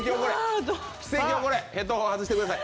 ヘッドホン外してください。